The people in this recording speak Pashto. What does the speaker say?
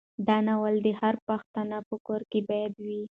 دا ناول د هر پښتانه په کور کې باید وي.